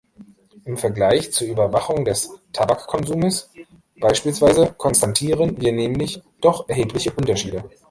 Im Vergleich zur Überwachung des Tabakkonsums beispielsweise konstatieren wir nämlich doch erhebliche Unterschiede.